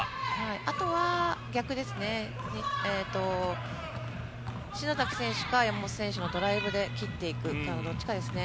あとは逆ですね、篠崎選手か山本選手のドライブで切っていくか、どっちかですね。